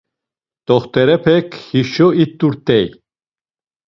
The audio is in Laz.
T̆oxt̆orepek hişo it̆urt̆ey.